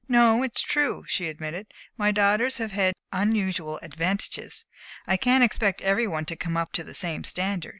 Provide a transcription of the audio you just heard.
"No, it's true," she admitted, "my daughters have had unusual advantages. I can't expect every one to come up to the same standard.